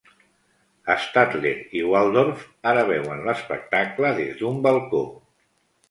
Statler i Waldorf ara veuen l'espectacle des d'un balcó.